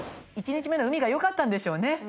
１日目の海がよかったんでしょうね。